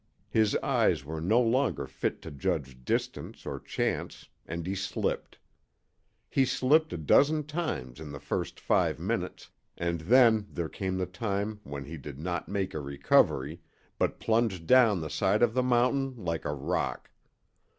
His eyes were no longer fit to judge distance or chance, and he slipped. He slipped a dozen times in the first five minutes, and then there came the time when he did not make a recovery, but plunged down the side of the mountain like a rock.